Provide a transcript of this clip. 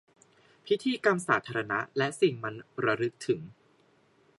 พิธีกรรมสาธารณะและสิ่งมันระลึกถึง